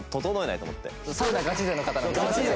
サウナガチ勢の方だから。